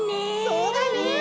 そうだね。